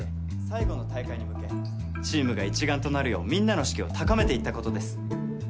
最後の大会に向けチームが一丸となるようみんなの士気を高めていったことです。